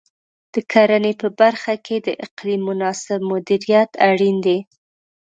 د کرنې په برخه کې د اقلیم مناسب مدیریت اړین دی.